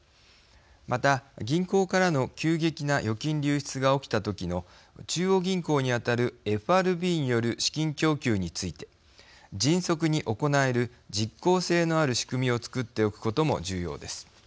また銀行からの急激な預金流出が起きた時の中央銀行にあたるＦＲＢによる資金供給について迅速に行える実効性のある仕組みを作っておくことも重要です。